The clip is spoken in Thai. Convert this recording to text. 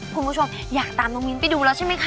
คุณผู้ชมอยากตามน้องมิ้นไปดูแล้วใช่ไหมคะ